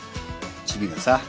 チビがさ